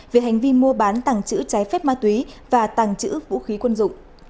về hành vi mua bán tàng chữ trái phép ma túy và tàng chữ vũ khí quân dụng